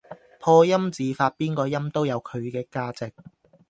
破音字發邊個音都有佢嘅價值